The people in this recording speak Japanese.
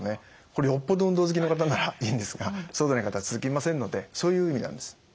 これよっぽど運動好きの方ならいいんですがそうでない方は続きませんのでそういう意味なんです。